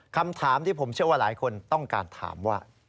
คำถามที่ผมเชื่อว่าหลายคนต้องการถามว่า